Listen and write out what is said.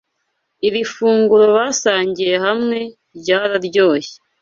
Iri funguro basangiye hamwe ryararyoshye.